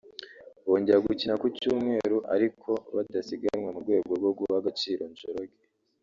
bongera gukina ku Cyumweru ariko badasiganwa mu rwego rwo guha agaciro Njoroge